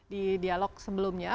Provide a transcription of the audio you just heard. di dialog sebelumnya